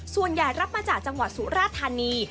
ส่วนใหญ่รับมาจากจังหวัดสุราธานี